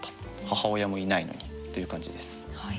母親もいないのにっていう感じです。